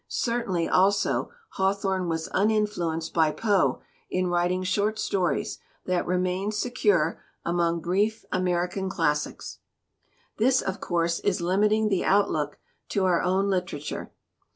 Certainly, also, Hawthorne was uninfluenced by Poe in writing short stories that remain secure among brief American classics. "This, of course, is limiting the outlook to our own literature.